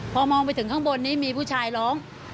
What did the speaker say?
พอมองไปถึงข้างบนนี้มีผู้ชายร้อง